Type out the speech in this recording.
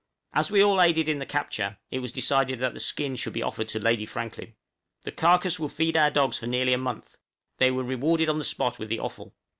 As we all aided in the capture, it was decided that the skin should be offered to Lady Franklin. The carcase will feed our dogs for nearly a month; they were rewarded on the spot with the offal.